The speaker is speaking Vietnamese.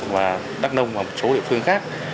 và đắk nông và một số địa phương khác